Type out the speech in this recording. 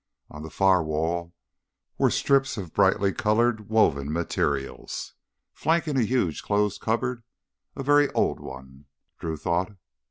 On the far wall were strips of brightly colored woven materials flanking a huge closed cupboard, a very old one, Drew thought.